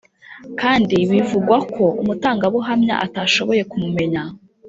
Kandi bivugwa ko umutangabuhamya atashoboye kumumenya.